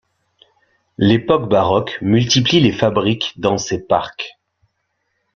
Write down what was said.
L'époque baroque multiplie les fabriques dans ses parcs.